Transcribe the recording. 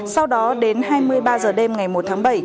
sau đó đến hai mươi ba h đêm ngày một tháng bảy